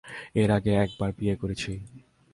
এর আগে এক বার বিয়ে করেছি।